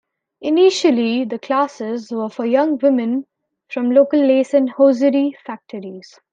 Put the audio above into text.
Initially, the classes were for young women from local lace and hosiery factories.